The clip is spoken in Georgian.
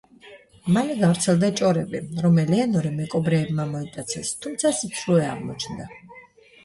მალე გავრცელდა ჭორები, რომ ელეანორი მეკობრეებმა მოიტაცეს, თუმცა სიცრუე აღმოჩნდა.